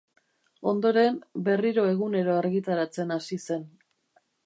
Ondoren, berriro egunero argitaratzen hasi zen.